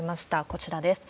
こちらです。